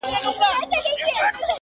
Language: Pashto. بحثونه زياتېږي هره ورځ دلته تل